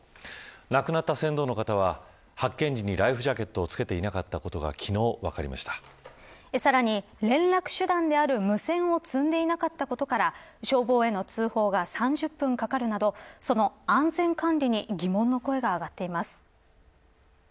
亡くなった船頭の方は発見時にライフジャケットを着けていなかったことがさらに連絡手段である無線を積んでいなかったことから消防への通報が３０分かかるなどその安全管理に疑問の声が上がっています。